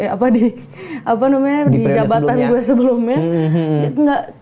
apa namanya di jabatan gue sebelumnya